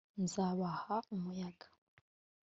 nzabaha umuyaga